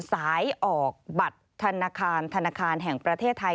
สายออกบัตรธนาคารธนาคารแห่งประเทศไทย